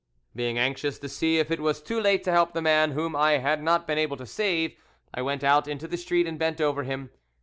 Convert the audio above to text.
Being anxious to see if it was too late to help the man whom I had not been able to save, I went out into the street and bent over him.